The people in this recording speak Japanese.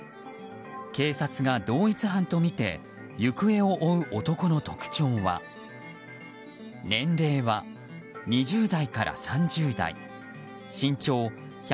警察が同一犯とみて行方を追う男の特徴は年齢は２０代から３０代。